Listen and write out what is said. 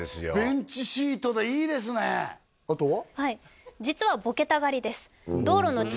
ベンチシートでいいですねあとは？